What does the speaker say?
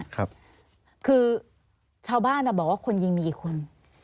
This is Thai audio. คือชาวบ้านบอกว่าคนยิงมีกี่คน